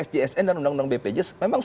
sjsn dan undang undang bpjs memang